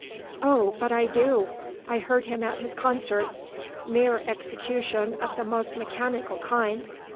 "Oh, but I do! I heard him at his concert. Mere execution of the most mechanical kind.